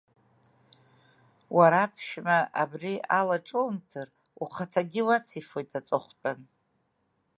Уара, аԥшәма абри алаҿумҭыр, ухаҭагьы уацифоит аҵыхә-тәан.